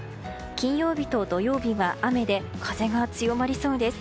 金曜日と土曜日は雨で風が強まりそうです。